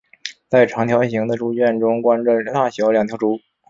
在长条形的猪圈中关着大小两头猪。